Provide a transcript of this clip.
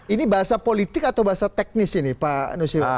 ini bahasa politik atau bahasa teknis ini pak nusir